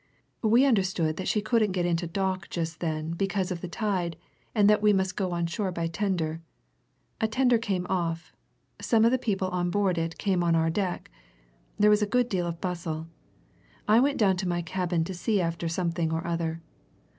We understood that she couldn't get into dock just then because of the tide, and that we must go on shore by tender. A tender came off some of the people on board it came on our deck. There was a good deal of bustle. I went down to my cabin to see after something or other.